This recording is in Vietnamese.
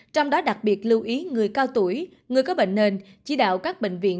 trong đó đặc biệt lưu ý người cao tuổi người có bệnh nền chỉ đạo các bệnh viện